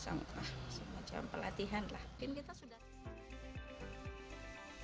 semacam pelatihan lah